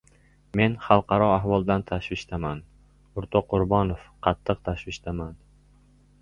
Men xalqaro ahvoldan tashvishdaman, o‘rtoq Qurbonov, qattiq tashvishdaman!